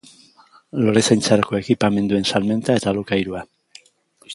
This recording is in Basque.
Lorezaintzarako ekipamenduen salmenta eta alokairua.